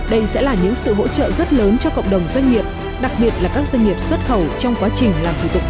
đây sẽ là những sự hỗ trợ rất lớn cho cộng đồng doanh nghiệp đặc biệt là các doanh nghiệp xuất khẩu trong quá trình làm thủ tục